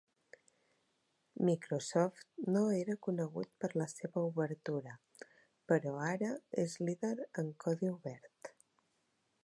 Microsoft no era conegut per la seva obertura, però ara és líder en codi obert.